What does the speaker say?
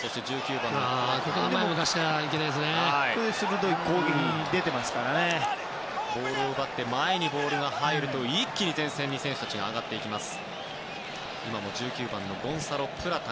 エクアドルはボールを奪って前にボールが入ると一気に前線に選手たちが上がっていきます。